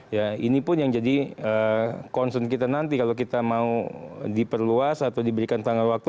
ya ini pun yang jadi concern kita nanti kalau kita mau diperluas atau diberikan tanggal waktu